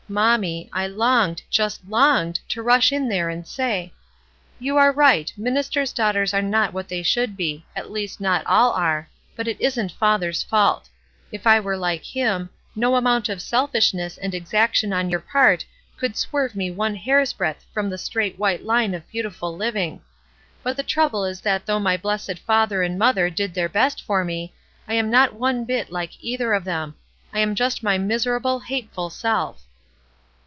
Mommy, I longed, just longed, to rush in there and say :— "'You are right, ministers' daughters are not what they should be,— at least not all are, — but it isn't father's fault. If I were like him, no amount of selfishness and exaction on your part could swerve me one hair's breadth from the straight white line of beautiful living. But the trouble is that though my blessed father and mother did their best for me, I am not one bit like either of them; I am just my miserable, hateful self.'